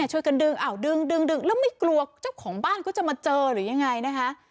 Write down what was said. ช่วยกันดึงดึงแล้วไม่กลัวเจ้าของบ้านเขาจะมาเจอหรือยังไงนะคะ